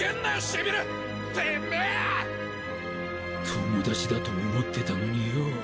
友達だと思ってたのによ